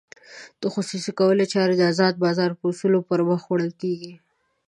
د خصوصي کولو چارې د ازاد بازار په اصولو پرمخ وړل کېږي.